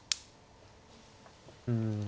うん。